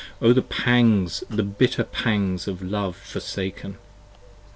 O the pangs, the bitter pangs of love forsaken!